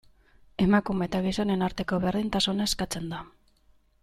Emakume eta gizonen arteko berdintasuna eskatzen da.